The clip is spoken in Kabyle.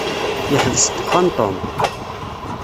Yeḥbes ddexxan Tom.